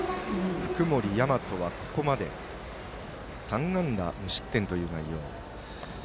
福盛大和はここまで３安打無失点という内容。